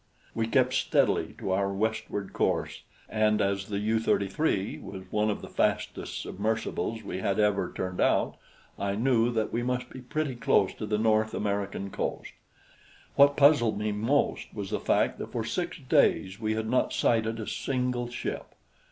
We kept steadily to our westward course, and as the U 33 was one of the fastest submersibles we had ever turned out, I knew that we must be pretty close to the North American coast. What puzzled me most was the fact that for six days we had not sighted a single ship.